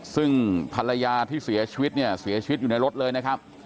ซึ่งภรรยาที่เสียชีวิตเนี่ยเสียชีวิตอยู่ในรถเลยนะครับ